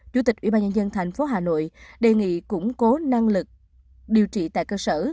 chủ tịch ubnd tp hà nội đề nghị củng cố năng lực điều trị tại cơ sở